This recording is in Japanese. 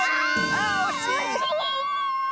あっおしい！